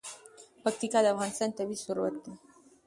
پکتیکا د افغانستان طبعي ثروت دی.